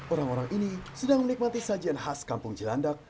orang orang ini sedang menikmati sajian khas kampung cilandak